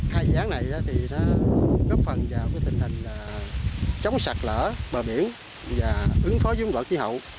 hai dự án này góp phần vào tình hình chống sạt lở bờ biển và ứng phó dùng vợ khí hậu